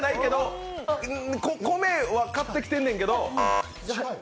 米は買ってきてんねんけど。